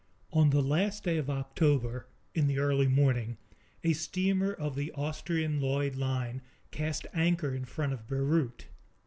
On the last day of October, in the early morning, a steamer of the Austrian Lloyd Line cast anchor in front of Beirut.